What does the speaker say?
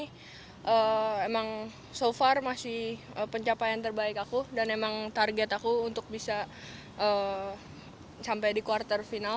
priska berkata bahwa dia masih mencapai kebaikan dan targetnya untuk mencapai quarter final